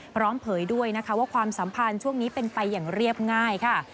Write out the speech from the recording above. เผยด้วยนะคะว่าความสัมพันธ์ช่วงนี้เป็นไปอย่างเรียบง่ายค่ะ